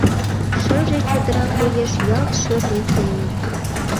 Шыже чодыра коеш ялт шӧртньӧ семын